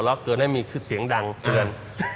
หัวเล่าเขือนให้คือเสียงดังเกือร์